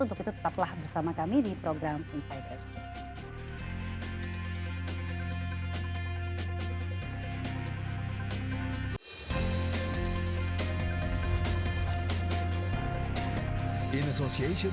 untuk itu tetaplah bersama kami di program insiders